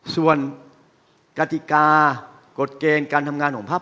ส่วนกติกากฎเกณฑ์การทำงานของพัก